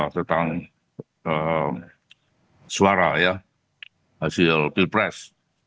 tentang suara ya hasil pilpres